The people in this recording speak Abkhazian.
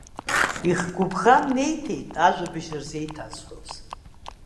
Ихы гәыбӷан неиҭеит, ажәабжь рзеиҭазҳәоз.